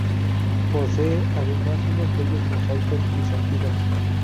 Posee además unos bellos mosaicos bizantinos.